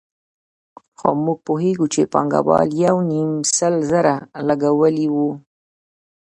خو موږ پوهېږو چې پانګوال یو نیم سل زره لګولي وو